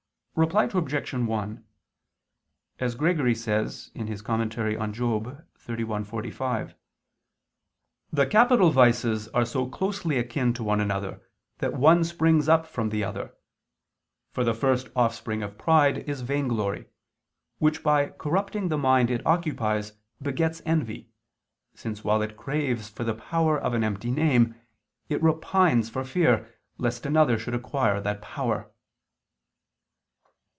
Reply Obj. 1: As Gregory says (Moral. xxxi, 45), "the capital vices are so closely akin to one another that one springs from the other. For the first offspring of pride is vainglory, which by corrupting the mind it occupies begets envy, since while it craves for the power of an empty name, it repines for fear lest another should acquire that power."